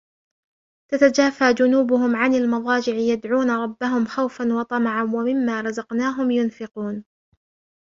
تتجافى جنوبهم عن المضاجع يدعون ربهم خوفا وطمعا ومما رزقناهم ينفقون